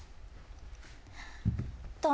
・「と」！